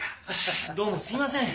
どうもすみません。